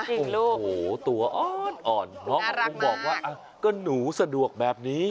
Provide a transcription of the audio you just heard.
จริงลูกน่ารักมากโอ้โฮตัวอ่อนบอกว่าอ่ะก็หนูสะดวกแบบนี้